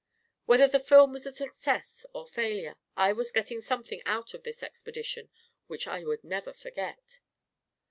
Whether the film was a success or failure, I was getting something out of this expedition which I would never forget.